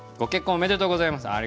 ありがとうございます。